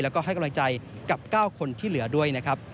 แล้วก็ให้กำลังใจกับ๙คนที่เหลือด้วยนะครับ